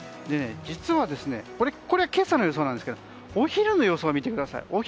実は、さっきのは今朝の予想なんですがお昼の予想を見てください。